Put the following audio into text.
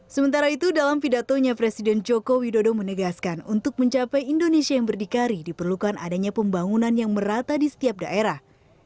sementara itu dalam pidatonya presiden joko widodo menegaskan untuk mencapai indonesia yang berdikari diperlukan adanya pembangunan yang merata di setiap daerah